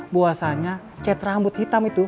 bahwasannya cat rambut hitam itu